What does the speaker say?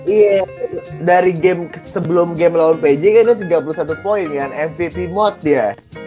iya dari game sebelum game lawan pj kan itu tiga puluh satu poin kan mvp mode dia